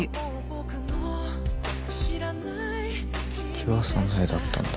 喜和さんの絵だったんだ。